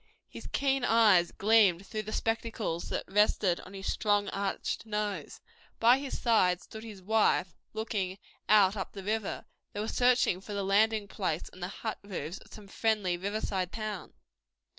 His keen eyes gleamed through the spectacles that rested on his strong, arched nose. By his side stood his wife, looking out up the river. They were searching for the landing place and the hut roofs of some friendly river side town.